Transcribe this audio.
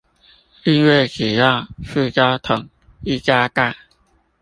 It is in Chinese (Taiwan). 因為只要塑膠桶一加蓋